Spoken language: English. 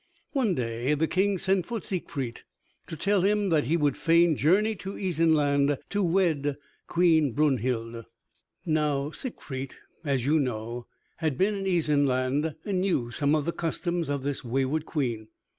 One day the King sent for Siegfried to tell him that he would fain journey to Isenland to wed Queen Brunhild. Now Siegfried, as you know, had been in Isenland and knew some of the customs of this wayward Queen.